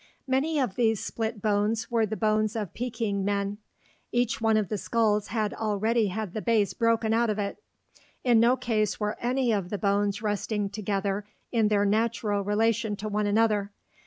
Many of these split bones were the bones of Peking men. Each one of the skulls had already had the base broken out of it. In no case were any of the bones resting together in their natural relation to one another.